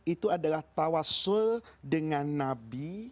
itu adalah tawasul dengan nabi